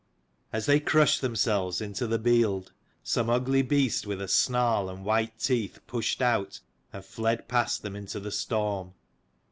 As they crushed themselves into the bield, some ugly beast with a snarl and white teeth pushed out, and fled past them into the storm.